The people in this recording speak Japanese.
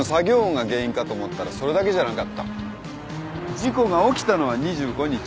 事故が起きたのは２５日。